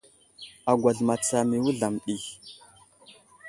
Agwal matsam i wuzlam ɗi.